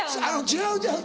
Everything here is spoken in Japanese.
違う違う。